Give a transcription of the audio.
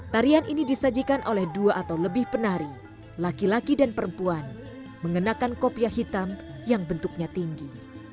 tarian ini disajikan oleh dua atau lebih penari laki laki dan perempuan mengenakan kopiah hitam yang bentuknya tinggi